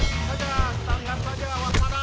jombla inget tak ya kan kita